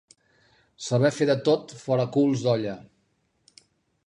Saber fer de tot, fora culs d'olla.